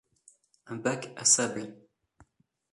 Un bac à sable.